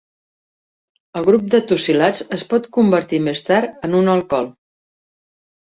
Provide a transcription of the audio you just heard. El grup de tosilats es pot convertir més tard en un alcohol.